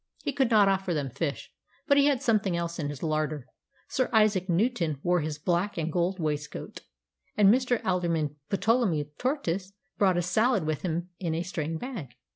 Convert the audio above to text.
He could not offer them fish, but he had something else in his larder. Sir Isaac Newton wore his black and gold waistcoat, And Mr. Alderman Ptolemy Tortoise brought a salad with him in a string bag.